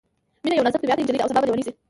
مينه یوه نازک طبعیته نجلۍ ده او سبا به ليونۍ شي